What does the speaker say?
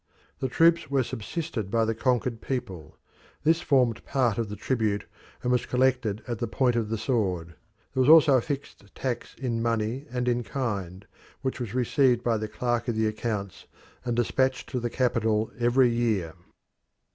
The troops were subsisted by the conquered people; this formed part of the tribute, and was collected at the point of the sword. There was also a fixed tax in money and in kind, which was received by the clerk of the accounts and dispatched to the capital every year.